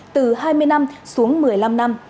từ hai mươi năm đến hai mươi năm